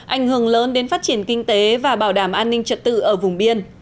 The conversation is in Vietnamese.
ảnh hưởng lớn đến phát triển kinh tế và bảo đảm an ninh trật tự ở vùng biên